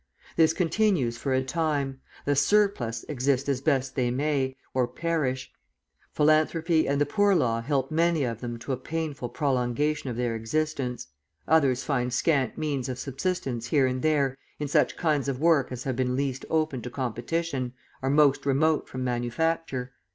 This continues for a time; the "surplus" exist as best they may, or perish; philanthropy and the Poor Law help many of them to a painful prolongation of their existence. Others find scant means of subsistence here and there in such kinds of work as have been least open to competition, are most remote from manufacture.